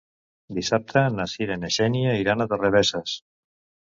Dissabte na Cira i na Xènia iran a Torrebesses.